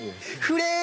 フレ！